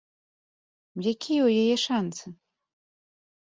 Якія ў яе шанцы?